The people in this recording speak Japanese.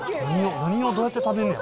何をどうやって食べるんや？